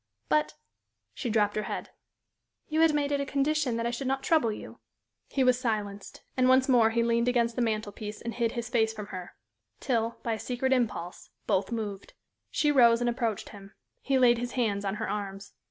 "But" she dropped her head "you had made it a condition that I should not trouble you." He was silenced; and once more he leaned against the mantel piece and hid his face from her, till, by a secret impulse, both moved. She rose and approached him; he laid his hands on her arms.